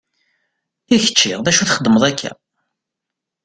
I kečči d acu i txeddmeḍ akka?